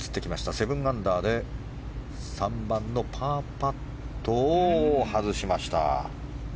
７アンダーで３番のパーパットを外しました。